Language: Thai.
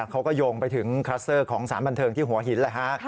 เขาก็โยงไปถึงคลัสเตอร์ของสารบันเทิงที่หัวหินแหละฮะ